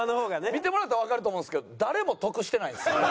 見てもらったらわかると思うんですけど誰も得してないですよ。